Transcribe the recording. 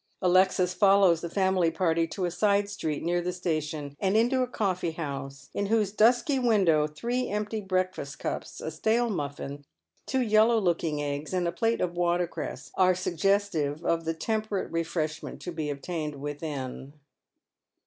Alexis follows the family party to a side street near the station, and into a coffee house, in whose dusky window three empty breakfast cups, a stale muffin, two yellow looking Qgs:^, and a plate of watercress are suggestive of the temperate refi'esh ment to be obtained within.